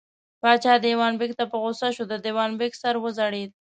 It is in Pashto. پاچا دېوان بېګ ته په غوسه شو، د دېوان بېګ سر وځړېد.